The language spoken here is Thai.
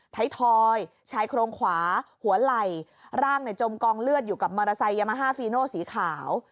ไทยทอยชายโครงขวาหัวไหล่ร่างในจมกองเลือดอยู่กับมอเตอร์ไซค์ยามาฮาฟีโนสีขาว